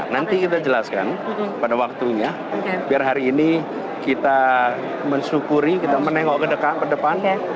nanti kita jelaskan pada waktunya biar hari ini kita mensyukuri kita menengok ke depan